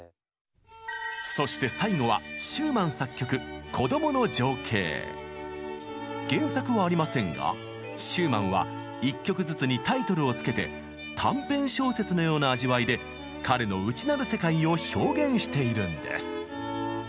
そして最後は原作はありませんがシューマンは一曲ずつにタイトルを付けて短編小説のような味わいで彼の内なる世界を表現しているんです。